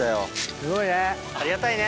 すごいね。